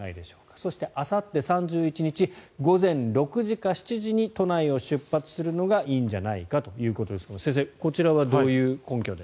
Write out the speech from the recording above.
そしてあさって３１日午前６時か７時に都内を出発するのがいいんじゃないかということですが先生、こちらはどういう根拠で？